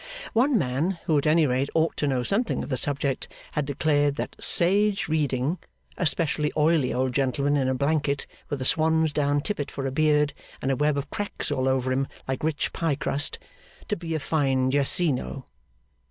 One man, who at any rate ought to know something of the subject, had declared that 'Sage, Reading' (a specially oily old gentleman in a blanket, with a swan's down tippet for a beard, and a web of cracks all over him like rich pie crust), to be a fine Guercino.